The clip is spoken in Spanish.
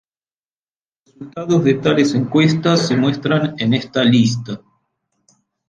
Los resultados de tales encuestas se muestran en esta lista.